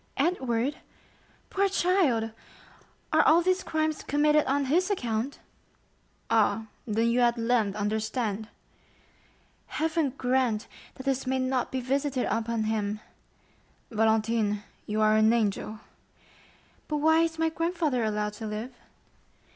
"Edward? Poor child! Are all these crimes committed on his account?" "Ah, then you at length understand?" "Heaven grant that this may not be visited upon him!" "Valentine, you are an angel!" "But why is my grandfather allowed to live?"